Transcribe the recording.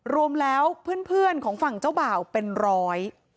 รวมแล้วเพื่อนเพื่อนของฝั่งเจ้าบ่าวเป็นร้อย